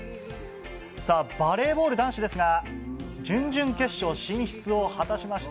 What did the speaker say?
バレーボール男子ですが準々決勝進出を果たしました。